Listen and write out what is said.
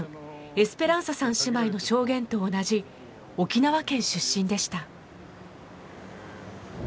エスペランサさん姉妹の証言と同じ沖縄県出身でした。